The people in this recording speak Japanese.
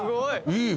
いい！